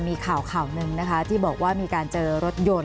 มีข่าวข่าวหนึ่งนะคะที่บอกว่ามีการเจอรถยนต์